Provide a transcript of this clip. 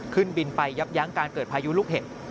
ขึ้นบินไปยับยั้งการเกิดพายุลูกเห็บ